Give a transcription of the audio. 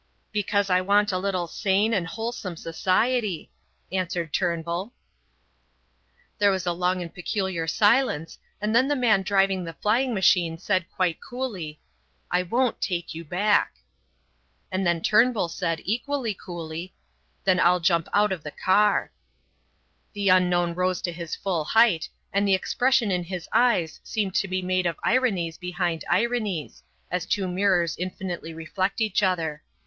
"Because I want a little sane and wholesome society," answered Turnbull. There was a long and peculiar silence, and then the man driving the flying machine said quite coolly: "I won't take you back." And then Turnbull said equally coolly: "Then I'll jump out of the car." The unknown rose to his full height, and the expression in his eyes seemed to be made of ironies behind ironies, as two mirrors infinitely reflect each other.